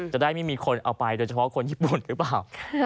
จะได้ไม่มีคนเอาไปโดยเฉพาะคนญี่ปุ่นหรือเปล่า